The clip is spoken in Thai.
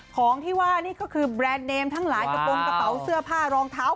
ของที่ว่านี่ก็คือแบรนด์เนมทั้งหลายกระโปรงกระเป๋าเสื้อผ้ารองเท้า